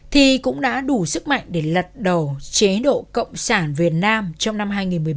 thì cũng đã đủ sức mạnh để lật đầu chế độ cộng sản việt nam trong năm hai nghìn một mươi bảy